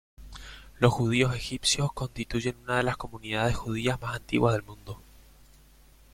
Los judíos egipcios constituyen una de las comunidades judías más antiguas del Mundo.